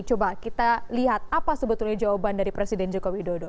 coba kita lihat apa sebetulnya jawaban dari presiden joko widodo